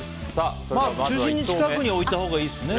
中心近くに置いたほうがいいですね。